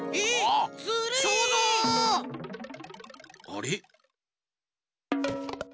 あれ？